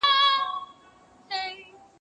دا سينه سپينه له هغه پاکه ده؟!